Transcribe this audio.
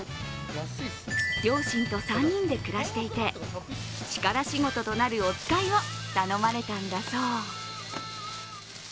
両親と３人で暮らしていて力仕事となるお遣いを頼まれたんだそう。